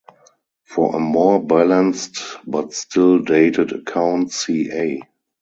For a more balanced but still dated account see A.